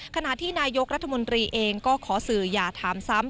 ขณะที่นายกรัฐมนตรีเองก็ขอสื่ออย่าถามซ้ำ